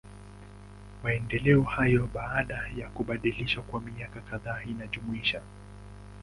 Maendeleo hayo, baada ya kubadilishwa kwa miaka kadhaa inajumuisha.